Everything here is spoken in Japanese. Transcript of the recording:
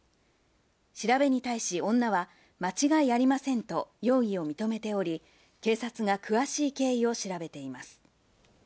調べに対し女は間違いありませんと容疑を認めており、警察が詳しい経緯を調べています。